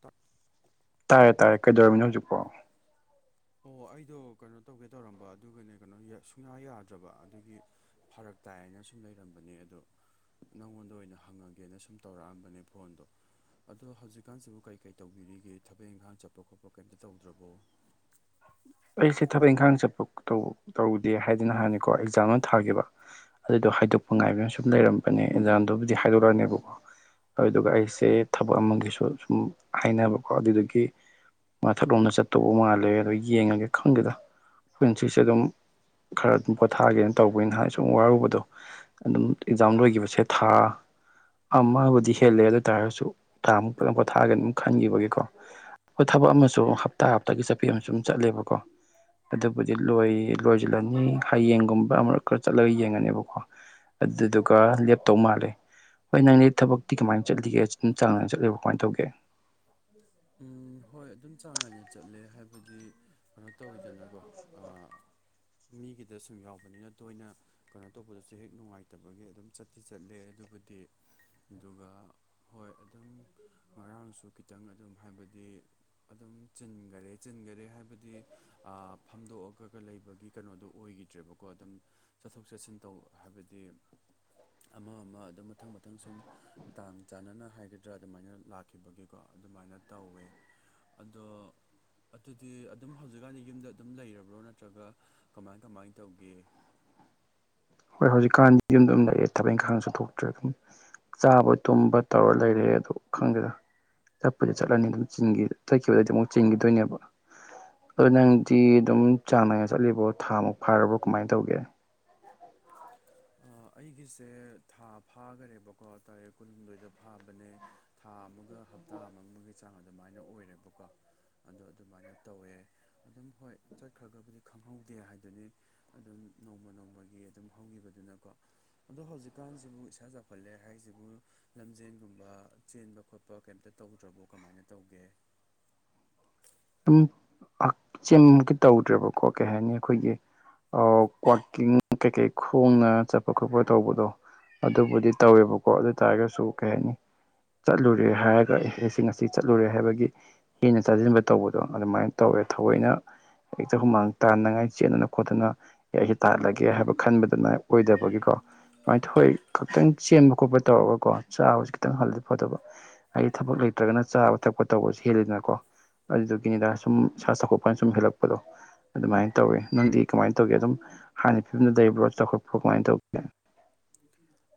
ꯇ ꯇꯥꯔꯦ ꯇꯥꯔꯦ ꯀꯩꯗꯧꯃꯤꯅꯣ ꯍꯧꯖꯤꯛꯐꯥꯎ ꯎꯝ ꯑꯣ ꯑꯩꯗꯣ ꯀꯩꯅꯣ ꯇꯧꯒꯦ ꯇꯧꯔꯝꯕ ꯑꯗꯨꯒꯅꯦ ꯀꯩꯅꯣ ꯁꯨꯡꯌꯥ ꯌꯥꯗ꯭ꯔꯕ ꯑꯗꯨꯒꯤ ꯐꯔꯛ ꯇꯥꯏꯅ ꯅ ꯁꯨꯝ ꯂꯩꯔꯝꯕꯅꯦ ꯑꯗꯣ ꯅꯪꯉꯣꯟꯗ ꯑꯣꯏꯅ ꯍꯪꯉꯒꯦꯅ ꯁꯨꯝ ꯇꯧꯔꯛꯑꯝꯕꯅꯦ ꯐꯣꯟꯗꯣ ꯑꯗꯣ ꯍꯧꯖꯤꯛꯀꯥꯟꯁꯤꯕꯨ ꯀꯔꯤ ꯀꯩ ꯇꯧꯕꯤꯔꯤꯒꯦ ꯊꯕꯛ ꯏꯪꯈꯥꯡ ꯆꯠꯄ ꯈꯣꯠꯄ ꯄꯣꯀꯦꯠꯇ ꯇꯧꯗ꯭ꯔꯕꯣ ꯑꯩꯁꯦ ꯊꯕꯛ ꯏꯪꯈꯥꯡ ꯆꯠꯄ ꯇꯧꯗꯦ ꯍꯥꯏꯗꯅ ꯍꯥꯏꯥꯟꯅꯤꯀꯣ ꯑꯦꯛꯖꯥꯝ ꯑꯃ ꯊꯥꯕ ꯑꯗꯨꯗꯣ ꯍꯥꯏꯗꯣꯛꯄ ꯉꯥꯏꯕꯅ ꯁꯨꯝ ꯂꯩꯔꯝꯕꯅꯦ ꯑꯦꯟꯖꯥꯥꯡꯗꯨꯕꯨꯗꯤ ꯍꯥꯏꯗꯣꯛꯂꯅꯦꯕꯀꯣ ꯑꯗꯨꯗꯨꯒ ꯑꯩꯁꯦ ꯊꯕꯛ ꯑꯃꯒꯤꯁꯨ ꯁꯨꯝ ꯍꯥꯏꯅꯕꯀꯣ ꯑꯗꯨꯗꯒꯤ ꯃꯊꯛꯂꯣꯝꯗ ꯆꯠꯇꯧꯕ ꯃꯥꯜꯂꯦ ꯑꯗꯣ ꯌꯦꯡꯉꯒꯦ ꯈꯪꯒꯦꯗ ꯑꯩꯈꯣꯏꯅ ꯁꯤꯛꯁꯦ ꯑꯗꯨꯝ ꯈꯔ ꯑꯗꯨꯝ ꯄꯣꯊꯥꯒꯦꯅ ꯇꯧꯕꯅ ꯍꯥꯏ ꯁꯨꯝ ꯋꯥꯔꯨꯕꯗꯣ ꯑꯗꯨꯝ ꯑꯦꯛꯖꯥꯝ ꯂꯣꯏꯈꯤꯕꯁꯦ ꯊꯥ ꯑꯃꯕꯨꯗꯤ ꯍꯦꯜꯂꯦ ꯑꯗꯨ ꯑꯣꯏ ꯇꯥꯔꯁꯨ ꯀꯥꯃꯨꯛꯛꯇꯪ ꯄꯣꯊꯥꯒꯅ ꯑꯃꯨꯛ ꯈꯟꯈꯤꯕꯒꯤꯀꯣ ꯍꯣꯏ ꯊꯕꯛ ꯑꯃꯁꯨ ꯍꯞꯇꯥ ꯍꯞꯇꯥꯒꯤ ꯆꯠꯄꯤ ꯑꯃꯁꯨ ꯑꯗꯨꯝ ꯆꯠꯂꯦꯕꯀꯣ ꯑꯗꯨꯕꯨꯗꯤ ꯂꯣꯏ ꯂꯣꯏꯁꯤꯜꯂꯅꯤ ꯍꯌꯦꯡꯒꯨꯝꯕ ꯑꯃꯛ ꯈꯔ ꯆꯠꯂꯒ ꯌꯦꯡꯉꯅꯦꯕꯀꯣ ꯑꯗꯨꯗꯨꯒ ꯂꯦꯞꯇꯧ ꯃꯥꯜꯂꯦ ꯍꯣꯏ ꯅꯪꯗꯤ ꯊꯕꯛꯇꯤ ꯀꯃꯥꯏꯅ ꯆꯠꯂꯤꯒꯦ ꯆꯥꯡ ꯅꯥꯏꯅ ꯆꯠꯂꯤꯕꯣ ꯀꯃꯥꯏꯅ ꯇꯧꯒꯦ ꯎꯝ ꯍꯣꯏ ꯑꯗꯨꯝ ꯆꯥꯡ ꯅꯥꯏꯅ ꯆꯠꯂꯦ ꯍꯥꯏꯕꯗꯤ ꯀꯩꯅꯣ ꯇꯧꯋꯤꯗꯅꯀꯣ ꯃꯤꯒꯤꯗ ꯁꯨꯝ ꯌꯥꯎꯕꯅꯤꯅ ꯇꯣꯏꯅ ꯀꯩꯅꯣ ꯇꯧꯕꯗꯁꯨ ꯍꯦꯛ ꯅꯨꯡꯉꯥꯏꯇꯕꯒꯤ ꯑꯗꯨꯝ ꯆꯠꯇꯤ ꯆꯠꯂꯦ ꯑꯗꯨꯕꯨꯗꯤ ꯑꯗꯨꯒ ꯍꯣꯏ ꯑꯗꯨꯝ ꯉꯔꯥꯡꯁꯨ ꯈꯤꯇꯪ ꯑꯗꯨꯝ ꯍꯥꯏꯕꯗꯤ ꯑꯗꯨꯝ ꯆꯤꯟꯈꯔꯦ ꯆꯤꯟꯈꯔꯦ ꯍꯥꯏꯕꯗꯤ ꯐꯝꯗꯣꯛꯑꯒꯒ ꯂꯩ ꯒꯤ ꯀꯩꯅꯣꯗꯣ ꯑꯣꯏꯈꯤꯗ꯭ꯔꯦꯕꯀꯣ ꯑꯗꯨꯝ ꯆꯠꯊꯣꯛ ꯆꯠꯁꯤꯟ ꯇꯧ ꯍꯥꯏꯕꯗꯤ ꯑꯃ ꯑꯃ ꯑꯗꯨꯝ ꯃꯊꯪ ꯃꯊꯪ ꯁꯨꯝ ꯇꯥꯟ ꯆꯥꯟꯅꯅ ꯍꯥꯏꯒꯗ꯭ꯔꯥ ꯑꯗꯨꯃꯥꯏꯅ ꯂꯥꯛꯈꯤꯕꯒꯤꯀꯣ ꯑꯗꯨꯃꯥꯏꯅ ꯇꯧꯋꯦ ꯑꯗꯣ ꯑꯗꯨꯗꯤ ꯑꯗꯨꯝ ꯍꯧꯖꯤꯛꯀꯥꯟꯗꯤ ꯌꯨꯝꯗ ꯑꯗꯨꯝ ꯂꯩꯔꯕ꯭ꯔꯣ ꯅꯠꯇ꯭ꯔꯒ ꯀꯃꯥꯏ ꯀꯃꯥꯏ ꯇꯧꯒꯦ [unintelligible] ꯍꯣꯏ ꯍꯧꯖꯤꯛꯀꯥꯟꯗꯤ ꯌꯨꯝꯗ ꯑꯗꯨꯝ ꯂꯩꯔꯦ ꯊꯕꯛ ꯏꯪꯈꯥꯡꯁꯨꯠꯊ ꯊꯣꯛꯇ꯭ꯔꯦ ꯑꯗꯨꯝ ꯆꯥꯕ ꯇꯨꯝꯕ ꯇꯧꯔ ꯂꯩꯔꯦ ꯑꯗꯨ ꯈꯪꯗꯦꯗ ꯆꯠꯄꯁ ꯆꯠꯂꯅꯤ ꯑꯗꯨꯝ ꯆ ꯆꯠꯈꯤꯕꯗꯗꯤ ꯑꯃꯨꯛ ꯆꯤꯡꯈꯤꯗꯣꯏꯅꯦꯕ ꯑꯣ ꯅꯪꯗꯤ ꯑꯗꯨꯝ ꯆꯥꯡ ꯅꯥꯏꯅ ꯆꯠꯂꯤꯕꯣ ꯊꯥ ꯃꯨꯛ ꯐꯥꯔꯕ꯭ꯔꯣ ꯀꯃꯥꯏꯅ ꯇꯧꯒꯦ ꯑꯩꯒꯤ ꯁꯦ ꯊꯥ ꯐꯥꯈꯔꯦꯕꯀꯣ ꯇꯥꯔꯛ ꯀꯨꯟꯍꯨꯝꯗꯣꯏꯗ ꯐꯥꯕꯅꯦ ꯊꯥ ꯑꯃꯒ ꯍꯞꯇꯥ ꯈꯥꯃꯕꯒꯤ ꯆꯥꯡ ꯑꯗꯨꯃꯥꯏꯅ ꯑꯣꯏꯔꯦꯕꯀꯣ ꯑꯗꯣ ꯑꯗꯨꯃꯥꯏꯅ ꯇꯧꯋꯦ ꯑꯗꯨꯝ ꯍꯣꯏ ꯆꯠꯈ꯭ꯔꯒꯕꯨꯗꯤ ꯈꯪꯍꯧꯗꯦ ꯍꯥꯏꯗꯨꯅꯤ ꯑꯗꯨꯝ ꯅꯣꯡꯃ ꯅꯣꯡꯃꯒꯤ ꯑꯗꯨꯝ ꯍꯧꯈꯤꯕꯗꯨꯅꯀꯣ ꯑꯗꯣ ꯍꯧꯖꯤꯛꯀꯥꯟꯁꯤꯕꯨ ꯏꯁꯥ ꯆꯥꯎꯈꯠꯂꯦ ꯍꯥꯏꯁꯤꯕꯨ ꯂꯝꯖꯦꯟꯒꯨꯝꯕ ꯆꯦꯟꯕ ꯈꯣꯠꯄ ꯀ ꯇꯧꯗ꯭ꯔꯕꯣ ꯀꯃꯥꯏꯅ ꯇꯧꯒꯦ ꯑꯗꯨꯝꯛꯆꯃꯨꯀꯤ ꯇꯧꯗ꯭ꯔꯦꯕꯀꯣ ꯀꯩ ꯍꯥꯏꯅꯤ ꯑꯩꯈꯣꯏꯒꯤ ꯀꯋꯥꯛꯀꯤꯡ ꯀꯩꯀꯩ ꯈꯣꯡꯅ ꯆꯠꯄ ꯈꯣꯠꯄ ꯇꯧꯕꯗꯣ ꯑꯗꯨꯕꯨꯗꯤ ꯇꯧꯋꯦꯕꯀꯣ ꯑꯗꯨ ꯑꯣꯏ ꯇꯥꯔꯒꯁꯨ ꯀꯩ ꯍꯥꯏꯅꯤ ꯆꯠꯂꯨꯔꯦ ꯍꯥꯏꯔꯒꯁꯤꯡ ꯑꯁꯤꯁꯤ ꯆꯠꯂꯨꯔꯦ ꯍꯥꯏꯕꯒꯤ ꯍꯦꯩꯅ ꯇꯥꯁꯤꯟꯕ ꯇꯧꯕꯗꯣ ꯑꯗꯨꯃꯥꯏꯅ ꯇꯧꯋꯦ ꯊꯑꯣꯏꯅ ꯍꯦꯛꯇ ꯍꯨꯃꯥꯡ ꯇꯥꯅꯉꯥꯏ ꯆꯦꯗꯅ ꯈꯣꯠꯇꯅ ꯑꯦ ꯑꯩꯁ ꯇꯥꯜꯂꯒꯦ ꯍꯥꯏꯕ ꯈꯟꯕꯗꯨꯅ ꯑꯣꯏꯗꯕꯒꯤꯀꯣ ꯁꯨꯃꯥꯏꯅ ꯊꯣꯏ ꯈꯛꯇꯪ ꯆꯦꯟꯕ ꯈꯣꯠꯄ ꯇꯧꯔꯒꯀꯣ ꯆꯥꯕꯁꯤꯦ ꯈꯤꯇꯪ ꯍꯜꯜꯂꯤ ꯐꯣꯠꯇꯕ ꯍꯥꯏꯗꯤ ꯊꯕꯛ ꯂꯩ ꯅꯠꯇ꯭ꯔꯒꯅ ꯆꯥꯕ ꯊꯛꯄ ꯇꯧꯕꯁꯨ ꯍꯦꯜꯂꯤꯗꯅꯀꯣ ꯑꯗꯨꯗꯨꯒꯤꯅꯤꯗ ꯁꯨꯝ ꯁꯥ ꯆꯥꯎꯈꯠꯄꯅ ꯁꯨꯝ ꯍꯦꯜꯂꯛꯄꯗꯣ ꯑꯗꯨꯃꯥꯏꯅ ꯇꯧꯋꯤ ꯅꯪꯗꯤ ꯀꯃꯥꯏꯅ ꯇꯧꯒꯦ ꯑꯗꯨꯝ ꯍꯥꯟꯅ ꯐꯤꯕꯝꯗ ꯂꯩꯕ꯭ꯔꯣ ꯆꯥꯎꯈꯠꯄ꯭ꯔꯣ ꯀꯃꯥꯏꯅ ꯇꯧꯒꯦ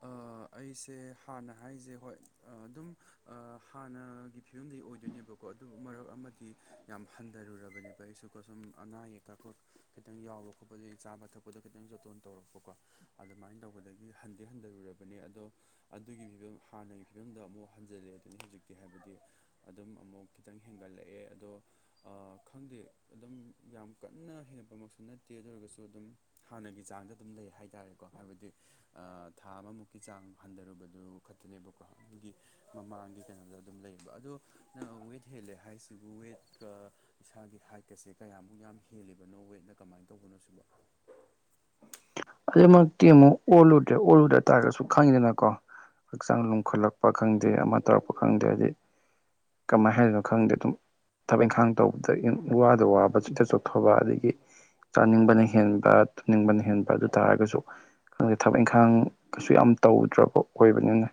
ꯑꯥ ꯑꯩꯁꯦ ꯍꯥꯟꯅ ꯍꯥꯏꯁꯦ ꯍꯣꯏ ꯑꯗꯨꯝ ꯍꯥꯟꯅꯒꯤ ꯐꯤꯕꯝꯗꯒꯤ ꯑꯣꯏꯗꯣꯏꯅꯦꯕꯀꯣ ꯀꯣ ꯑꯗꯨ ꯃꯔꯛ ꯑꯃꯗꯤ ꯌꯥꯝ ꯍꯟꯊꯔꯨꯔꯕꯅꯦꯕ ꯑꯩꯁꯨꯀꯣ ꯁꯨꯝ ꯑꯅꯥ ꯑꯌꯦꯛꯀꯈꯠ ꯈꯤꯇꯪ ꯌꯥꯎ ꯍꯧꯔꯛ ꯈꯣꯠꯄꯗꯒꯤꯩ ꯆꯥꯕ ꯊꯛꯄꯗ ꯈꯤꯇꯪ ꯆꯣꯇꯣꯟ ꯇꯧꯔꯛꯄꯀꯣ ꯑꯗꯨꯃꯥꯏꯅ ꯇꯧꯕꯗꯒꯤ ꯍꯟꯗꯤ ꯍꯟꯊꯔꯨꯔꯕꯅꯤ ꯑꯗꯣ ꯑꯗꯨꯒꯤ ꯐꯤꯕꯝ ꯍꯥꯟꯅꯒꯤ ꯐꯤꯕꯝꯗ ꯑꯃꯨꯛ ꯍꯟꯖꯤꯜꯂꯛꯦ ꯑꯗꯨꯅꯤ ꯍꯧꯖꯤꯛꯇꯤ ꯍꯥꯏꯕꯗꯤ ꯑꯗꯨꯝ ꯑꯃꯨꯛ ꯈꯤꯇꯪ ꯍꯦꯟꯒꯠꯂꯛꯑꯦ ꯑꯗꯣ ꯈꯪꯗꯦ ꯑꯗꯨꯝ ꯌꯥꯝ ꯀꯟꯅ ꯍꯦꯟꯒꯠꯄꯃꯛꯁꯨ ꯅꯠꯇꯦ ꯑꯗꯨ ꯑꯣꯏꯔꯒꯁꯨ ꯑꯗꯨꯝ ꯍꯥꯟꯅꯒꯤ ꯆꯥꯡꯗ ꯑꯗꯨꯝ ꯂꯩ ꯍꯥꯏꯇꯥꯔꯦꯀꯣ ꯍꯥꯏꯕꯗꯤ ꯊꯥ ꯑꯃꯃꯨꯛꯀꯤ ꯆꯥꯡ ꯍꯟꯊꯔꯨꯕꯗꯨ ꯈꯛꯇꯅꯦꯕꯀꯣ ꯑꯗꯨꯒꯤ ꯃꯃꯥꯡꯒꯤ ꯀꯩꯅꯣꯗ ꯑꯗꯨꯝ ꯂꯩꯌꯦꯕ ꯑꯗꯨ ꯋꯦꯠ ꯍꯦꯜꯂꯦ ꯍꯥꯏꯁꯤꯕꯨ ꯋꯦꯠꯀ ꯏꯁꯥꯒꯤ ꯍꯥꯏꯠꯀꯁꯦ ꯀꯌꯥꯃꯨꯛ ꯌꯥꯝ ꯍꯦꯜꯂꯤꯕꯅꯣ ꯋꯦꯠꯅ ꯀꯃꯥꯏꯅ ꯇꯧꯕꯅꯣ ꯁꯤꯕ ꯑꯗꯨꯩꯃꯛꯇꯤ ꯑꯃꯨꯛ ꯑꯣꯜꯂꯨꯗ꯭ꯔꯦ ꯑꯣꯜꯂꯨꯗ ꯇꯥꯔꯒꯁꯨ ꯈꯪꯉꯤꯗꯅꯀꯣ ꯍꯛꯆꯥꯡ ꯂꯨꯝꯈꯠꯂꯛꯄ ꯈꯪꯗꯦ ꯑꯃ ꯇꯧꯔꯛꯄ ꯈꯪꯗꯦ ꯍꯥꯏꯗꯤ ꯀꯃꯥꯏ ꯍꯥꯏꯗꯣꯏꯅꯣ ꯈꯪꯗꯦ ꯑꯗꯨꯝ ꯊꯕꯛ ꯏꯪꯈꯥꯡ ꯇꯧꯕꯗ ꯋꯥꯗ ꯋꯥꯕ ꯆꯤꯊ ꯆꯣꯛꯊꯣꯛꯕ ꯑꯗꯒꯤ ꯆꯥꯅꯤꯡꯕꯅ ꯍꯦꯟꯕ ꯇꯨꯅꯤꯡꯕꯅ ꯍꯦꯟꯕ ꯑꯗꯨ ꯇꯥꯔꯒꯁꯨ ꯈꯪꯗꯦ ꯊꯕꯛ ꯏꯪꯈꯥꯡ ꯀꯩꯁꯨ ꯌꯥꯝ ꯇꯧꯗ꯭ꯔꯕ ꯑꯣꯏꯕꯅꯤꯅ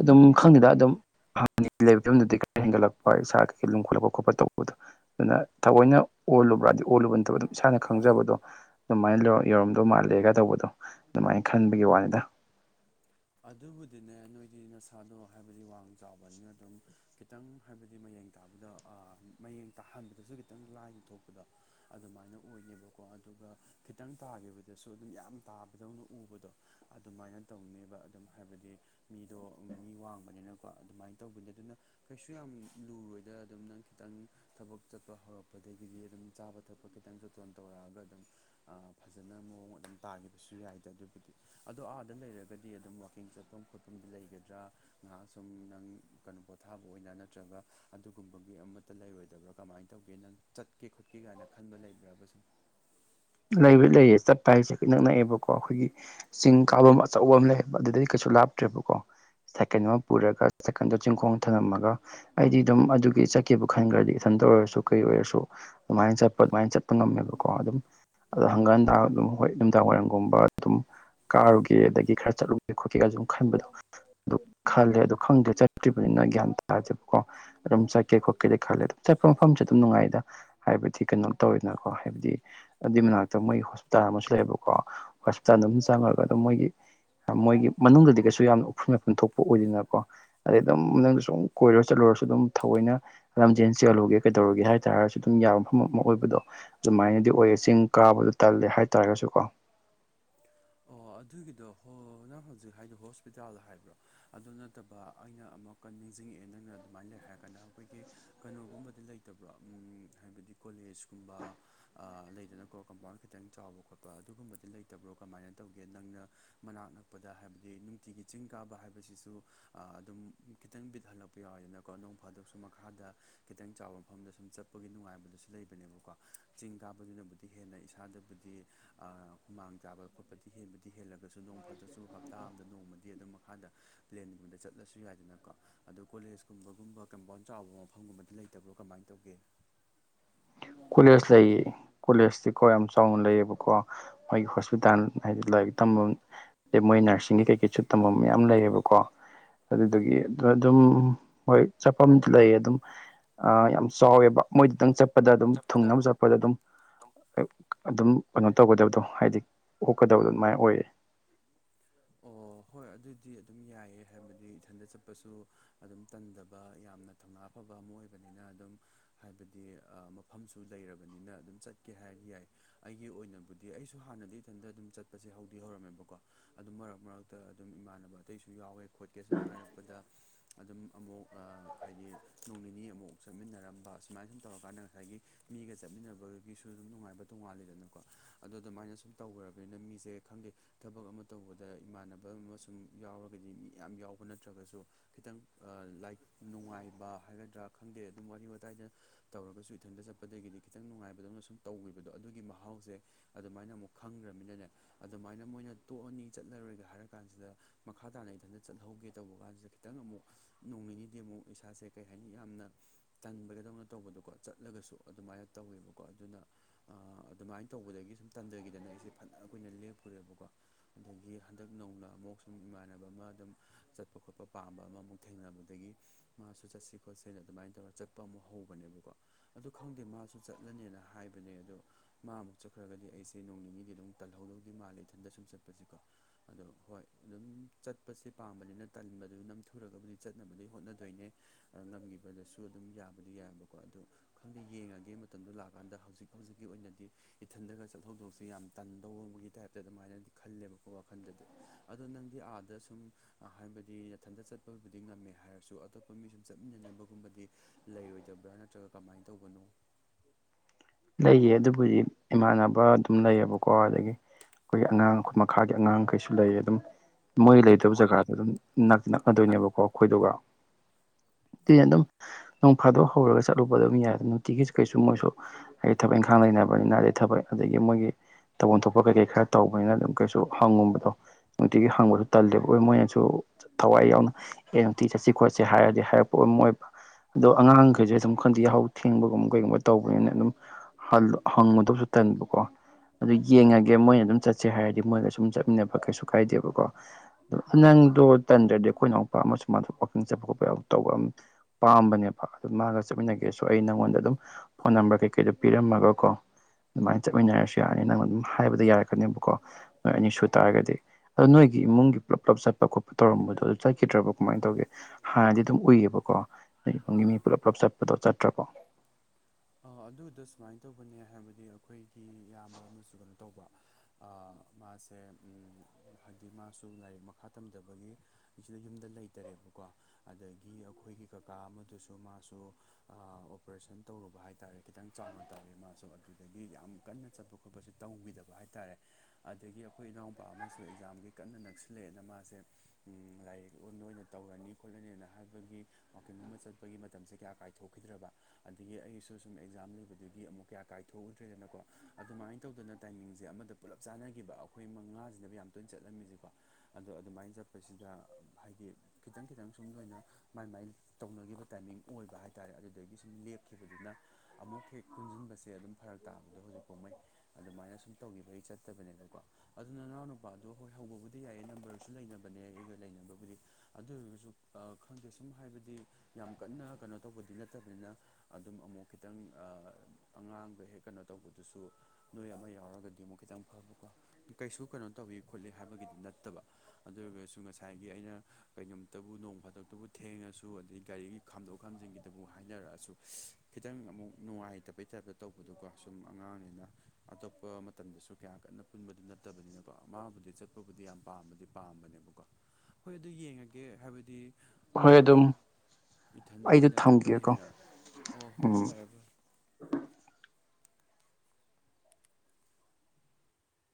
ꯑꯗꯨꯝ ꯈꯪꯉꯦꯗ ꯑꯗꯨꯝ ꯍꯉ ꯂꯩꯕ ꯐꯤꯕꯗꯨꯗꯤ ꯈꯔ ꯍꯦꯟꯒꯠꯂꯛꯄ ꯏꯁꯥ ꯀꯩ ꯂꯨꯝꯈꯠꯂꯛꯄ ꯈꯣꯠꯄ ꯇꯧꯕꯗꯣ ꯑꯗꯨꯅ ꯊꯑꯣꯏꯅ ꯑꯣꯜꯂꯨꯕ꯭ꯔꯥꯗꯤ ꯑꯣꯜꯂꯨꯕ ꯅꯠꯇꯕ ꯑꯗꯨꯝ ꯏꯁꯥꯅ ꯈꯪꯖꯕꯗꯣ ꯑꯗꯨꯃꯥꯏꯅ ꯌꯧꯔꯝ ꯑꯣ ꯃꯥꯜꯂꯦꯒ ꯇꯧꯕꯗꯣ ꯑꯗꯨꯃꯥꯏꯅ ꯈꯟꯕꯒꯤ ꯋꯥꯅꯤꯗ ꯑꯗꯨꯕꯨꯗꯤꯅꯦ ꯅꯣꯏꯗꯤ ꯅꯁꯥꯗꯣ ꯍꯥꯏꯕꯗꯤ ꯋꯥꯡ ꯆꯥꯎꯕꯅꯤꯅ ꯑꯗꯨꯝ ꯈꯤꯇꯪ ꯍꯥꯏꯕꯗꯤ ꯃ ꯍꯌꯦꯡ ꯇꯥꯕꯗ ꯃꯌꯦꯡ ꯇꯥꯍꯟꯕꯗꯁꯨ ꯈꯤꯇꯪ ꯂꯥꯏꯅ ꯊꯣꯛꯄꯗ ꯑꯗꯨꯃꯥꯏꯅ ꯑꯣꯏꯅꯅꯦꯕꯀꯣ ꯑꯗꯨꯒ ꯈꯤꯇꯪ ꯇꯥꯈꯤꯕꯗꯁꯨ ꯑꯗꯨꯝ ꯌꯥꯝ ꯇꯥꯕꯗꯧꯅ ꯎꯕꯗꯣ ꯑꯗꯨꯃꯥꯏꯅ ꯇꯧꯅꯦꯕ ꯑꯗꯨꯝ ꯍꯥꯏꯕꯗꯤ ꯃꯤꯗꯣ ꯃꯤ ꯋꯥꯡꯕꯅꯤꯅꯀꯣ ꯑꯗꯨꯃꯥꯏꯅ ꯇꯧꯕꯅꯤ ꯑꯗꯨꯅ ꯀꯩꯁꯨ ꯌꯥꯝ ꯂꯨꯔꯣꯏꯗ ꯑꯗꯨꯝ ꯅꯪ ꯈꯤꯇꯪ ꯊꯕꯛ ꯆꯠꯄ ꯍꯧꯔꯛꯄꯗꯒꯤꯗꯤ ꯑꯗꯨꯝ ꯆꯥꯕ ꯊꯛꯄ ꯈꯤꯇꯪ ꯆꯣꯠ ꯆꯣꯟ ꯇꯧꯔꯛꯑꯒ ꯑꯗꯨꯝ ꯐꯖꯅ ꯃꯑꯣꯡ ꯑꯗꯨꯝ ꯇꯥꯈꯤꯕꯁꯨ ꯌꯥꯏꯗꯦ ꯑꯗꯨꯕꯨꯗꯤ ꯑꯗꯣ ꯑꯥꯗ ꯂꯩꯔꯒꯗꯤ ꯑꯗꯨꯝ ꯀꯤꯡ ꯆꯠꯐꯝ ꯈꯣꯠꯐꯝꯗꯤ ꯂꯩꯒꯗ꯭ꯔꯥ ꯉꯥꯏꯍꯥꯛ ꯁꯨꯝ ꯅꯪ ꯀꯩꯅꯣ ꯄꯣꯊꯥꯕ ꯑꯣꯏꯅ ꯅꯠꯇ꯭ꯔꯒ ꯑꯗꯨꯒꯨꯝꯕꯒꯤ ꯑꯃꯠꯇ ꯂꯩꯔꯣꯏꯗꯕ꯭ꯔꯥ ꯀꯃꯥꯏꯅ ꯇꯧꯒꯦ ꯅꯪ ꯆꯠꯀꯦ ꯈꯣꯠꯀꯦ ꯀꯥꯏꯅ ꯈꯟꯕ ꯂꯩꯕ꯭ꯔꯥꯕ [unintelligible] ꯂꯩꯕ ꯂꯩꯌꯦ ꯆꯠꯄ ꯍꯥꯏꯁꯦ ꯑꯩꯣꯏꯅꯛ ꯅꯛꯑꯦꯕꯀꯣ ꯑꯩꯈꯣꯏꯒꯤ ꯆꯤꯡ ꯀꯥꯐꯝ ꯑꯆꯧꯕ ꯑꯃ ꯂꯩꯌꯦꯕ ꯑꯗꯨꯗꯩ ꯀꯩꯁꯨ ꯂꯥꯞ ꯇ꯭ꯔꯦꯕꯨꯀꯣ ꯁꯦꯀꯟ ꯑꯃ ꯄꯨꯔꯒ ꯁꯀꯗꯣ ꯆꯤꯡꯈꯣꯡ ꯊꯝꯂꯝꯝꯃꯒ ꯑꯩꯗꯤ ꯑꯗꯨꯝ ꯑꯗꯨꯒꯤ ꯆꯠꯀꯦꯕꯨ ꯈꯟꯈ꯭ꯔꯗꯤ ꯑꯗꯣ ꯑꯣꯏꯔꯁꯨ ꯀꯩ ꯑꯣꯏꯔꯁꯨ ꯑꯗꯨꯃꯥꯏꯅ ꯆꯠꯄ ꯑꯗꯨꯃꯥꯏꯅ ꯆꯠꯄ ꯉꯝꯃꯦꯕꯀꯣ ꯑꯗꯨꯝ ꯑꯗꯣ ꯍꯪꯒꯠ ꯍꯟꯗ ꯑꯗꯨꯝ ꯍꯣꯏ ꯅꯨꯃꯤꯗꯥꯡ ꯋꯥꯏꯔꯝꯒꯨꯝꯕ ꯑꯗꯨꯝ ꯀꯥꯔꯨꯒꯦ ꯑꯗꯒꯤ ꯈꯔ ꯆꯠꯂꯨꯒꯦ ꯈꯣꯠꯀꯦꯒ ꯁꯨꯝ ꯈꯟꯕꯗꯣ ꯑꯗꯨ ꯈꯜꯂꯦ ꯑꯗꯨ ꯈꯪꯗ꯭ꯔꯦ ꯆꯠꯇ꯭ꯔꯤꯕꯅꯤꯅ ꯅꯥ ꯒꯌꯥꯟ ꯇꯥꯗꯦꯕꯊꯣ ꯑꯗꯨꯝ ꯆꯠꯀꯦ ꯈꯣꯠꯀꯦ ꯈꯜꯂꯦ ꯑꯗꯨꯝ ꯆꯠꯄ ꯃꯐꯝꯁꯨ ꯑꯗꯨꯝ ꯅꯨꯡꯉꯥꯏꯗ ꯍꯥꯏꯕꯗꯤ ꯀꯩꯅꯣꯝ ꯇꯧꯋꯤꯗꯅꯀꯣ ꯍꯥꯏꯕꯗꯤ ꯑꯗꯨꯏ ꯃꯅꯥꯛꯇ ꯃꯣꯏꯒꯤ ꯍꯣꯁꯄꯤꯇꯥꯜ ꯑꯃꯁꯨ ꯂꯩꯌꯦꯕꯀꯣ ꯍꯣꯁꯄꯤꯇꯥꯜ ꯑꯗꯨꯝ ꯆꯪꯉ꯭ꯔꯒ ꯑꯗꯨꯝ ꯃꯣꯏꯒꯤ ꯃꯣꯏꯒꯤ ꯃꯅꯨꯡꯗꯗꯤ ꯀꯩꯁꯨ ꯌꯥꯝꯅ ꯎꯐꯨꯟ ꯋꯥꯏꯐꯨꯟ ꯊꯣꯛꯄ ꯑꯣꯏꯗꯅꯀꯣ ꯑꯗꯩ ꯑꯗꯨꯝ ꯅꯪꯖꯨ ꯁꯨꯝ ꯀꯣꯏꯔ ꯆꯠꯂꯨꯔ ꯑꯗꯨꯝ ꯊꯋꯣꯢꯅ ꯂꯝꯖꯦꯜ ꯆꯦꯜꯂꯨꯒꯦ ꯀꯩꯗꯧꯔꯨꯒꯦ ꯍꯥꯏ ꯇꯔꯁꯨ ꯑꯗꯨꯝ ꯌꯥꯕ ꯃꯐꯝꯑꯃ ꯑꯣꯏꯕꯗꯣ ꯑꯗꯨꯃꯥꯏ ꯅꯗꯤ ꯑꯣꯏꯌꯦ ꯆꯤꯡ ꯀꯥꯕꯗꯨ ꯇꯜꯂꯦ ꯍꯥꯏꯇꯥꯥꯔꯁꯨ ꯀꯣ ꯑꯣ ꯑꯗꯨꯒꯤꯗꯣ ꯍꯣ ꯍꯣ ꯅꯪ ꯍꯧꯖꯤꯛ ꯍꯥꯏꯗꯣ ꯍꯣꯁꯄꯤꯇꯥꯜ ꯍꯥꯏꯕ꯭ꯔꯣ ꯑꯗꯨ ꯅꯠꯇꯕ ꯑꯩꯅ ꯑꯃꯛꯀ ꯅꯤꯡꯖꯤꯡ ꯖꯤꯡꯉꯛꯑꯦ ꯅꯪꯅ ꯑꯗꯨꯃꯥꯏꯅ ꯂꯩ ꯍꯥꯏꯔ ꯀꯥꯟꯗ ꯑꯩꯈꯣꯏꯒꯤ ꯀꯩꯅꯣꯒꯨꯝꯕꯗꯤ ꯂꯩꯇꯕ꯭ꯔꯣ ꯎꯝ ꯍꯥꯏꯕꯗꯤ ꯀꯣꯂꯦꯖ ꯀꯨꯝ ꯕ ꯑ ꯂꯩꯗꯅꯀꯣ ꯀꯝꯄꯥꯎꯟ ꯈꯤꯇꯪ ꯆꯥꯎꯕ ꯈꯣꯠꯄ ꯑꯗꯨꯒꯨꯝꯕꯗꯤ ꯂꯩꯇꯕ꯭ꯔꯣ ꯀꯃꯥꯏꯅ ꯇꯧꯒꯦ ꯅꯪꯅ ꯃꯅꯥꯛ ꯅꯛꯄꯗ ꯍꯥꯏꯕꯗꯤ ꯅꯨꯡꯇꯤꯒꯤ ꯆꯤꯡ ꯀꯥꯕ ꯍꯥꯏꯕꯁꯤꯁꯨ ꯑꯗꯨꯝ ꯈꯤꯇꯪ ꯕꯤꯠ ꯍꯜꯂꯛꯄ ꯌꯥꯎꯋꯦꯗꯅꯀꯣ ꯅꯣꯡ ꯐꯥꯗꯣꯛꯁꯨ ꯃꯈꯥꯗ ꯈꯤꯇꯪ ꯆꯥꯎꯕ ꯃꯐꯝꯗ ꯁꯨꯝ ꯆꯠꯄꯒꯤ ꯅꯨꯡꯉꯥꯏꯗꯨꯁꯨ ꯂꯩ ꯕꯅꯦꯕꯀꯣ ꯆꯤꯡ ꯀꯥꯕꯗꯨꯅꯕꯨꯗꯤ ꯍꯦꯟꯅ ꯏꯁꯥꯗꯕꯨꯗꯤ ꯑ ꯍꯨꯃꯥꯡ ꯇꯥꯕ ꯈꯣꯠꯄ ꯄꯗꯤ ꯍꯦꯟꯕꯗꯤ ꯍꯦꯟ ꯍꯦꯜꯂꯒꯁꯨ ꯅꯣꯡ ꯐꯥꯗꯣꯛꯁꯨ ꯍꯞꯇꯥ ꯑꯃꯗ ꯅꯣꯡꯃꯗꯤ ꯑꯗꯨꯝ ꯃꯈꯥꯗ ꯄ꯭ꯂꯦꯟꯒꯨꯝꯕꯗ ꯆꯠꯂꯁꯨ ꯌꯥꯏꯗꯅꯀꯣ ꯀꯣꯂꯦꯖꯀꯨꯝꯕꯒꯨꯝꯕ ꯀꯝꯄꯥꯎꯟ ꯆꯥꯎꯕ ꯃꯐꯝꯒꯨꯝꯕꯗꯤ ꯂꯩꯇꯕ꯭ꯔꯣ ꯀꯃꯥꯏꯅ ꯇꯧꯒꯦ ꯀꯣꯂꯦꯁ ꯂꯩꯌꯦ ꯀꯣꯂꯦꯖꯇꯤꯀꯣ ꯌꯥꯝ ꯆꯥꯎꯅ ꯂꯩꯌꯦꯕꯀꯣ ꯃꯣꯏꯒꯤ ꯍꯣꯁꯄꯤꯇꯥꯜ ꯍꯥꯏꯗꯤ ꯂꯥꯏꯔꯤꯛ ꯇꯝꯕꯝꯗꯤ ꯃꯣꯢ ꯅꯔꯁꯤꯡꯒꯤ ꯀꯩꯀꯩꯁꯨ ꯇꯝꯚꯝ ꯃꯌꯥꯝ ꯂꯩꯌꯦꯕꯀꯣ ꯑꯗꯨꯗꯒꯤ ꯑꯗꯨꯝ ꯍꯣꯏ ꯆꯠꯐꯝ ꯂꯩꯌꯦ ꯑꯗꯨꯝ ꯑꯥ ꯌꯥꯝ ꯆꯥꯎꯋꯦꯕ ꯃꯣꯏꯗꯨꯇꯪ ꯆꯠꯄꯗ ꯑꯗꯨꯝ ꯊꯨꯡꯅꯕ ꯆꯠꯄꯗ ꯑꯗꯨꯝ ꯑꯗꯨꯝ ꯑꯗꯨꯝ ꯀꯩꯅꯣ ꯇꯧꯒꯗꯕꯗꯣ ꯍꯥꯏꯗꯤ ꯑꯣꯛꯀꯗꯕꯗꯣ ꯑꯗꯨꯃꯥꯏꯅ ꯑꯣꯏꯔꯦ ꯑꯣ ꯍꯣꯏ ꯑꯗꯨꯢꯗꯤ ꯑꯗꯨꯝ ꯌꯥꯏꯌꯦ ꯍꯥꯏꯕꯗꯤ ꯏꯊꯟꯗ ꯆꯠꯄꯁꯨ ꯑꯗꯨꯝ ꯇꯟꯗꯕ ꯌꯥꯝꯅ ꯊꯧꯅꯥ ꯐ ꯐꯕ ꯑꯃ ꯑꯣꯏꯕꯅꯤꯅ ꯑꯗꯨꯝ ꯍꯥꯏꯕꯗꯤ ꯃꯐꯝꯁꯨ ꯂꯩꯔꯕꯅꯤꯅ ꯑꯗꯨꯝ ꯆꯠꯀꯦ ꯍꯥꯏꯔꯗꯤ ꯌꯥꯏ ꯑꯩꯒꯤ ꯑꯣꯏꯅꯕꯨꯗꯤ ꯑꯩꯁꯨ ꯍꯥꯟꯅꯗꯤ ꯏꯊꯟꯇ ꯑꯗꯨꯝ ꯆꯠꯄꯁꯦ ꯍꯧꯗꯤ ꯍꯧꯔꯝꯃꯦꯕꯀꯣ ꯑꯗꯨꯝ ꯃꯔꯛ ꯃꯔꯛꯇ ꯑꯗꯨꯝ ꯏꯃꯥꯟꯅꯕ ꯑꯇꯩꯁꯨ ꯌꯥꯎꯋꯦ ꯈꯣꯠꯀꯦ ꯁꯨꯝ ꯍꯥꯏꯔꯛꯄꯗ ꯑꯗꯨꯝ ꯑꯃꯨꯛ ꯍꯥꯏꯗꯤ ꯅꯣꯡ ꯅꯤꯅꯤ ꯑꯃꯨꯛ ꯆꯠꯃꯤꯟꯅꯔꯝꯕ ꯁꯨꯃꯥꯏꯅ ꯁꯨꯝ ꯇꯧꯔꯀꯥꯟꯗ ꯉꯁꯥꯏꯒꯤ ꯃꯤꯒ ꯆꯠꯃꯤꯟꯅꯕꯒꯤ ꯁꯨ ꯑꯗꯨꯝ ꯅꯨꯡꯉꯥꯏꯕ ꯇꯣꯡꯉꯥꯜꯂꯤꯗꯅꯀꯣ ꯑꯗꯣ ꯑꯗꯨꯃꯥꯏꯅ ꯁꯨꯝ ꯇꯧꯒꯔꯕꯅꯤꯅ ꯃꯤꯖꯦ ꯈꯪꯗꯦ ꯊꯕꯛ ꯑꯃ ꯇꯧꯕꯗ ꯏꯃꯥꯟꯅꯕ ꯑꯃꯁꯨꯡ ꯌꯥꯎꯔꯒꯗꯤ ꯃꯤ ꯌꯥꯝ ꯌꯥꯎꯕ ꯅꯠꯇ꯭ꯔꯒꯁꯨ ꯈꯤꯇꯪ ꯂꯥꯏ ꯅꯨꯡꯉꯥꯏꯕ ꯍꯥꯏꯒꯗ꯭ꯔꯥ ꯈꯪꯗꯦ ꯑꯗꯨꯝ ꯋꯥꯔꯤ ꯋꯥꯇꯥꯏꯗ ꯇꯧꯔꯒꯁꯨ ꯏꯊꯟꯗ ꯆꯠꯄꯗꯒꯤꯗꯤ ꯈꯤꯇꯪ ꯅꯨꯡꯉꯥꯏꯕꯗꯣ ꯑꯗꯨꯅ ꯁꯨꯝ ꯇꯧꯒꯤꯕꯗꯣ ꯑꯗꯨꯒꯤ ꯃꯍꯥꯎꯁꯦ ꯑꯗꯨꯃꯥꯏꯅ ꯑꯃꯨꯛ ꯈꯪꯒ꯭ꯔꯝꯅꯤꯅꯅꯦ ꯑꯗꯨꯃꯥꯏꯅ ꯃꯣꯏꯅ ꯇꯣꯛꯑꯅꯤ ꯆꯠꯂꯔꯣꯏꯒ ꯍꯥꯏꯔ ꯀꯥꯟꯁꯤꯗ ꯃꯈꯥ ꯇꯥꯅ ꯏꯊꯟꯇ ꯆꯠꯍꯧꯒꯦ ꯇꯧꯕ ꯀꯥꯟꯁꯤꯗ ꯈꯤꯇꯪ ꯑꯃꯨꯛ ꯅꯨꯡ ꯅꯤꯗꯤ ꯑꯃꯨꯛ ꯏꯁꯥꯁꯦ ꯀꯩ ꯍꯥꯏꯅꯤ ꯌꯥꯝꯅ ꯇꯟꯕꯒꯗꯧꯅ ꯇꯧꯕꯗꯣꯀꯣ ꯆꯠꯂꯒꯁꯨ ꯑꯗꯨꯃꯥꯏꯅ ꯇꯧꯋꯦꯕ ꯀꯣ ꯑꯗꯨꯅ ꯑꯗꯨꯃꯥꯏꯅ ꯇꯧꯕꯗꯒꯤ ꯁꯨꯝ ꯇꯟꯗꯒꯤꯗꯅ ꯑꯩꯁꯦ ꯐꯅ ꯀꯨꯏꯅ ꯂꯦꯞꯄꯨꯔꯦꯕꯀꯣ ꯑꯗꯒꯤ ꯍꯟꯗꯛ ꯅꯧꯅ ꯑꯃꯨꯛ ꯁꯨꯝ ꯏꯃꯥꯟꯅꯕ ꯑꯃ ꯑꯗꯨꯝ ꯆꯠꯄ ꯈꯣꯠꯄ ꯄꯥꯝꯕ ꯑꯃꯃꯨꯛ ꯊꯦꯡꯅ ꯑꯗꯨꯗꯒꯤ ꯃꯥꯁꯨ ꯆꯠꯁꯤ ꯈꯣꯠꯁꯤꯅ ꯑꯗꯨꯃꯥꯏꯅ ꯇꯧꯔꯒ ꯆꯠꯄ ꯑꯃꯨꯛ ꯍꯧꯕꯅꯦꯕꯀꯣ ꯑꯗꯨ ꯈꯪꯗꯦ ꯃꯥꯁꯨ ꯆꯠ ꯂꯅꯤꯅ ꯍꯥꯏꯕꯅꯦ ꯑꯗꯣ ꯃꯥ ꯑꯃꯨꯛ ꯆꯠꯈ꯭ꯔꯒꯗꯤ ꯑꯩꯁꯦ ꯅꯣꯡ ꯅꯤꯗꯤ ꯑꯗꯨꯝ ꯇꯜꯍꯧꯗꯧꯗꯤ ꯃꯥꯜꯂꯤ ꯢꯊꯟꯗ ꯁꯨꯝ ꯆꯠꯄꯁꯤꯀꯣ ꯑꯗꯣ ꯍꯣꯏ ꯑꯗꯨꯝ ꯆꯠꯄꯁꯦ ꯄꯥꯝꯕꯅꯤꯅ ꯇꯟꯕꯗꯨ ꯅꯝꯊꯨꯔꯒꯕꯨꯗꯤ ꯆꯠꯅꯕ ꯍꯣꯠꯅꯗꯣꯏꯅꯦ ꯉꯝꯒꯤꯕꯗꯁꯨ ꯑꯗꯨꯝ ꯌꯥꯝꯕꯨꯗꯤ ꯌꯥꯝꯕꯀꯣ ꯑꯗꯣ ꯈꯪꯗꯦ ꯌꯦꯡꯉꯥꯒꯦ ꯃꯇꯝꯗ ꯂꯥꯛꯑꯀꯥꯟꯗ ꯍꯧꯖꯤꯛ ꯍꯧꯖꯤꯛꯀꯤ ꯑꯣꯏꯅꯗꯤ ꯏꯊꯟꯗꯒ ꯆꯠꯊꯣꯛꯇꯧꯁꯦ ꯌꯥꯝꯅ ꯇꯟꯗꯧꯕ ꯑꯃꯒꯤ ꯇꯥꯏꯞ ꯇ ꯑꯗꯨꯃꯥꯥꯏꯅ ꯈꯜꯂꯦꯕꯀꯣ ꯋꯥꯈꯟꯗꯗꯤ ꯑꯗꯣ ꯅꯪꯗꯤ ꯑꯥꯗ ꯁꯨꯝ ꯍꯥꯏꯕꯗꯤ ꯅꯊꯟꯗ ꯆꯠꯄꯕꯨꯗꯤ ꯉꯝꯃꯦ ꯍꯥꯏꯔꯁꯨ ꯑꯇꯣꯞꯄ ꯃꯤ ꯁꯨꯝ ꯆꯠꯃꯤꯟꯅꯅꯕꯒꯨꯝꯕꯗꯤ ꯂꯩꯔꯣꯏꯗꯕ꯭ꯔꯥ ꯅꯠꯇ꯭ꯔꯒ ꯀꯃꯥꯏꯅ ꯇꯧꯕꯅꯣ [inaudible] ꯂꯩꯌꯦ ꯑꯗꯨꯕꯨꯗꯤ ꯏꯃꯥꯟꯅꯕ ꯑꯗꯨꯝ ꯂꯩꯌꯦꯕꯀꯣ ꯑꯗꯒꯤ ꯑꯩꯈꯣꯏꯒꯤ ꯑꯉꯥꯡ ꯑꯩꯈꯣꯏ ꯃꯈꯥꯒꯤ ꯑꯉꯥꯡ ꯈꯩꯁꯨ ꯂꯩꯌꯦ ꯑꯗꯨꯝ ꯃꯣꯏ ꯂꯩꯇꯕ ꯖꯒꯥꯗ ꯑꯗꯨꯝ ꯅꯛꯅꯗꯣꯏꯅꯦꯕꯀꯣ ꯑꯩꯈꯣꯏꯗꯨꯒ [inaudible] ꯑꯗꯨꯅ ꯑꯗꯨꯝ ꯅꯣꯡ ꯐꯥꯗꯣꯛ ꯍꯧꯔꯒ ꯆꯠꯂꯨꯕꯗ ꯑꯗꯨꯝ ꯌꯥꯏ ꯅꯨꯡꯇꯤꯒꯤꯁꯨ ꯀꯩꯁꯨ ꯃꯣꯏꯁꯨ ꯍꯥꯏꯗꯤ ꯊꯕꯛ ꯏꯪꯈꯥꯡ ꯂꯩꯅꯕꯅꯤꯅ ꯂꯩ ꯊꯕꯛ ꯑꯗꯒꯤ ꯃꯣꯏꯒꯤ ꯇꯧꯐꯝ ꯊꯣꯛꯄ ꯀꯩ ꯀꯩ ꯈꯔ ꯇꯧꯕꯅꯤꯅ ꯑꯗꯨꯝ ꯀꯩꯁꯨ ꯍꯪꯉꯨꯝꯕꯗꯣ ꯅꯨꯡꯇꯤꯒꯤ ꯍꯪꯕꯁꯨ ꯇꯜꯂꯦꯕ ꯃꯣꯏꯅꯁꯨ ꯊꯋꯥꯏ ꯌꯥꯎꯅ ꯑꯦ ꯅꯨꯡꯇꯤꯒꯤ ꯆꯠ ꯑꯩꯈꯣꯏꯁꯦ ꯍꯥꯏꯔꯗꯤ ꯍꯥꯏꯔꯛꯄ ꯃꯣꯏ ꯑꯗꯣ ꯑꯉꯥꯡꯈꯩꯁꯦ ꯁꯝ ꯈꯪꯗꯦ ꯌꯥꯍꯧ ꯊꯦꯡꯕꯒꯨꯝꯕ ꯀꯩꯒꯨꯝꯕ ꯇꯧꯕꯅꯤꯅ ꯑꯗꯨꯝ ꯍꯜ ꯍꯪꯉꯨꯗꯕꯁꯨ ꯇꯟꯕꯀꯣ ꯑꯗꯨ ꯌꯦꯡꯉꯒꯦ ꯃꯣꯏꯅ ꯑꯗꯨꯝ ꯆꯠꯁꯦ ꯍꯥꯏꯔꯗꯤ ꯃꯣꯏꯅ ꯁꯨꯝ ꯆꯠꯃꯤꯟꯅꯕ ꯀꯩꯁꯨ ꯀꯥꯏꯗꯦꯕꯀꯣ ꯑꯗꯨ ꯗꯣ ꯇꯟꯗ꯭ꯔꯗꯤ ꯑꯩꯈꯣꯏꯅꯎꯄꯥ ꯑꯃꯁꯨ ꯃꯥꯗ ꯋꯥꯛꯀꯤꯡ ꯆꯠꯄ ꯈꯣꯠꯄ ꯇꯧꯕ ꯄꯥꯝꯕꯅꯦꯕ ꯑꯗꯨ ꯃꯥꯒ ꯆꯠꯃꯤꯟꯅꯒꯦꯁꯨ ꯑꯩ ꯅꯪꯉꯣꯟꯗ ꯑꯗꯨꯝ ꯐꯣꯟ ꯅꯝꯕꯔ ꯀꯩꯀꯩꯗꯣ ꯄꯤꯔꯝꯃꯒꯀꯣ ꯑꯗꯨꯃꯥꯏꯅ ꯆꯠꯃꯤꯟꯅꯔꯁꯨ ꯌꯥꯔꯅꯤ ꯅꯪ ꯑꯗꯨꯝ ꯍꯥꯏꯕꯗ ꯌꯥꯔꯛꯀꯅꯦꯕꯀꯣ ꯅꯣꯏ ꯑꯅꯤ ꯁꯨ ꯇꯥꯔꯒꯗꯤ ꯑꯗꯣ ꯅꯣꯏꯒꯤ ꯑꯩꯒꯤ ꯏꯃꯨꯡꯒꯤ ꯄꯨꯂꯞꯂꯞꯠꯄꯣꯠꯄ ꯇꯧꯔꯝꯕꯗꯣ ꯑꯗꯨ ꯆꯠꯈꯤꯗ꯭ꯔꯕ ꯀꯃꯥꯏꯅ ꯇꯧꯒꯦ ꯍꯥꯟꯅꯗꯤ ꯑꯗꯨꯝ ꯎꯏꯌꯦꯕꯀꯣꯒꯤ ꯃꯤ ꯄꯨꯂꯞ ꯄꯨꯞ ꯆꯠꯄꯗꯣ ꯆꯠꯇ꯭ꯔꯀꯣ ꯑꯗꯨꯗ ꯁꯨꯃꯥꯏꯅ ꯇꯧꯕꯅꯦ ꯍꯥꯏꯕꯗꯤ ꯑꯩꯈꯣꯏꯒꯤ ꯏꯌꯥꯝꯕ ꯑꯃꯁꯨ ꯀꯩꯅꯣ ꯇꯧꯕ ꯃꯥꯁꯦ ꯍꯥꯏꯗꯤ ꯃꯥꯁꯨ ꯂꯥꯏꯔꯤꯛ ꯃꯈꯥ ꯇꯝꯗꯕꯒꯤꯁꯤꯗ ꯌꯨꯝꯗ ꯂꯩꯇꯔꯦꯕ ꯣ ꯑꯗꯒꯤ ꯑꯩꯈꯣꯏꯒꯤ ꯀꯀꯥ ꯑꯃꯗꯨꯁꯨ ꯃꯥꯁꯨ ꯑꯣꯄꯔꯦꯁꯟ ꯇꯧꯔ ꯍꯥꯏ ꯇꯔꯦ ꯈꯤꯇꯪ ꯆꯥꯎꯅ ꯇꯧꯋꯤ ꯃꯥꯁꯨ ꯑꯗꯨꯗꯒꯤ ꯌꯥꯝ ꯀꯟꯅ ꯆꯠꯄ ꯈꯣꯠꯄꯁꯦ ꯇꯧꯕꯤꯗꯕ ꯍꯥꯏꯇꯥꯥꯔꯦ ꯑꯗꯒꯤ ꯑꯩꯈꯣꯏ ꯏꯅꯥꯎꯄꯥ ꯑꯃꯁꯨ ꯑꯦꯛꯖꯥꯝꯒꯤ ꯀꯟꯅ ꯅꯛꯁꯤꯜꯂꯛꯑꯦꯅ ꯃꯥꯁꯦ ꯂꯥꯏꯔꯤꯛ ꯂ ꯑꯣꯏꯅ ꯇꯧꯔꯅꯤ ꯈꯣꯠꯂꯅꯤꯅ ꯍꯥꯏꯕꯒꯤ ꯋꯀꯤꯡꯒꯨꯝꯕ ꯆꯠꯄꯒꯤ ꯃꯇꯝꯁꯦ ꯀꯌꯥ ꯀꯥꯏꯊꯣꯛꯈꯤꯗ꯭ꯔꯕ ꯑꯗꯒꯤ ꯑꯩ ꯨ ꯁꯨꯝ ꯑꯦꯛꯖꯥꯝ ꯂꯩꯕꯗꯨꯒꯤ ꯑꯃꯨꯛ ꯀꯌꯥ ꯀꯥꯏꯊꯣꯛꯎꯗ꯭ꯔꯦꯗꯅꯀꯣ ꯑꯗꯨꯃꯥꯏꯅ ꯇꯧꯗꯅ ꯇꯥꯏꯃꯤꯡꯁꯦ ꯑꯃꯗ ꯄꯨꯂꯞ ꯆꯥꯅ ꯈꯤꯕ ꯑꯩꯈꯣꯏ ꯉꯥꯁꯤꯗ ꯌꯥꯝ ꯇꯣꯏꯅ ꯆꯠꯂꯝꯃꯤꯁꯦꯀꯣ ꯑꯗꯣ ꯑꯗꯨꯃꯥꯏꯅ ꯆꯠꯄ ꯁꯤꯗ ꯍꯥꯏꯗꯤ ꯈꯤꯇꯪ ꯈꯤꯇꯪ ꯁꯨꯝ ꯂꯣꯏꯅ ꯃꯥꯏ ꯃꯥꯏ ꯇꯧꯅꯈꯤꯕ ꯇꯥꯏꯃꯤꯡ ꯑꯣꯏꯕ ꯍꯥꯏꯇꯥꯔꯦ ꯑꯗꯨꯗꯒꯤ ꯁꯨꯝ ꯂꯦꯞꯈꯤꯕꯗꯨꯅ ꯑꯃꯨꯛ ꯍꯦꯛ ꯄꯨꯟꯁꯤꯟꯕꯁꯦ ꯑꯗꯨꯝ ꯐꯔꯛ ꯇꯥꯕꯗꯣ ꯍꯧꯖꯤꯛꯐꯥꯎꯉꯩ ꯑꯗꯨꯃꯥꯏꯅ ꯁꯨꯝ ꯇꯧꯈꯤꯕꯩ ꯆꯠꯇꯕꯅꯦꯕꯀꯣ ꯑꯗꯨꯅ ꯅꯅꯥꯎ ꯅꯨꯄꯥꯗꯣ ꯍꯣꯏ ꯍꯧꯕꯕꯨꯗꯤ ꯌꯥꯏꯌꯦ ꯅꯝꯕꯔꯁꯨ ꯂꯩꯅꯕꯅꯦ ꯑꯩꯒ ꯂꯩꯅꯕꯕꯨꯗꯤ ꯑꯗꯨ ꯑꯣꯏꯔꯒꯁꯨ ꯈꯪꯗꯦ ꯁꯨꯝ ꯍꯥꯏꯕꯗꯤ ꯌꯥꯝ ꯀꯟꯅ ꯀꯩꯅꯣ ꯇꯧꯕꯗꯤ ꯅꯠꯇꯕꯅꯤꯅ ꯑꯗꯨꯝ ꯑꯃꯨꯛ ꯈꯤꯇꯪ ꯑꯉꯥꯡꯗ ꯍꯦꯛ ꯀꯩꯅꯣ ꯇꯧꯕꯗꯨꯁꯨ ꯅꯣꯏ ꯑꯃ ꯌꯥꯎꯔꯒꯗꯤ ꯑꯃꯨꯛ ꯈꯤꯇꯪ ꯐꯕꯀꯣ ꯀꯩꯁꯨ ꯀꯩꯅꯣ ꯇꯧꯏ ꯈꯣꯠꯂꯤ ꯍꯥꯏꯕꯒꯤꯗꯤ ꯅꯠꯇꯕ ꯑꯗꯨ ꯑꯣꯏꯔꯒꯁꯨ ꯉꯁꯥꯏꯒꯤ ꯑꯩꯅ ꯀꯩꯒꯨꯝꯝꯇꯕꯨ ꯅꯣꯡ ꯐꯗꯛꯇꯕꯨ ꯊꯦꯡꯉꯁꯨ ꯑꯗꯗꯒꯤ ꯒꯥꯔꯤꯒꯤ ꯈꯥꯝꯗꯣꯛ ꯈꯥ ꯁꯤꯡꯒꯤꯗꯕꯨ ꯍꯥꯏꯅꯔꯛꯑꯁꯨ ꯈꯤꯇꯪ ꯑꯃꯨꯛ ꯅꯨꯡꯉꯥꯏꯇꯕꯩꯇꯞꯇ ꯇꯧꯕꯗꯨꯀꯣ ꯁꯨꯝ ꯑꯉꯥꯡꯅꯤꯅ ꯑꯇꯣꯞꯄ ꯃꯇꯝꯗꯁꯨ ꯀꯌꯥ ꯀꯟꯅ ꯄꯨꯟꯕꯗꯤ ꯅꯠꯇꯕꯅꯤꯅꯀꯣ ꯑꯃꯥꯡꯕꯨꯗꯤ ꯆꯠꯄꯕꯨꯗꯤ ꯌꯥꯝ ꯄꯥꯝꯕꯗꯤ ꯄꯥꯝꯕꯅꯤ ꯀꯣ ꯍꯣꯏ ꯑꯗꯨ ꯌꯦꯡꯉꯒꯦ ꯍꯥꯏꯕꯗꯤ ꯍꯣꯏ ꯑꯗꯨꯝ ꯏꯊꯟꯗ ꯑꯩꯗꯣ ꯑꯣꯏꯅ ꯆꯠꯄꯅ ꯊꯝꯒꯦꯀꯣ ꯍꯦꯟꯅ ꯑꯣ ꯍꯣ ꯍꯣ ꯎꯝ ꯐꯔꯦ ꯐꯔꯦ